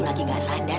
semoga aku sudah